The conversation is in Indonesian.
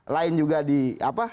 lain juga di apa